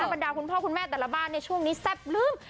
บรรดาคุณพ่อคุณแม่แต่ละบ้านช่วงนี้แซ่บลืม